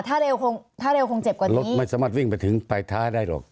ถ้าเร็วคงถ้าเร็วคงเจ็บกว่านี้รถไม่สามารถวิ่งไปถึงปลายเท้าได้หรอก